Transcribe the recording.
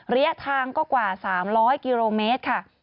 ระยะทางก็กว่า๓๐๐กิโลเมตรค่ะ